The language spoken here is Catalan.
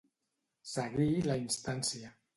Seguir la instància.